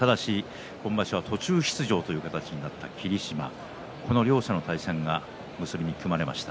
今場所は途中出場という形になった霧島この両者の対戦が結びに組まれました。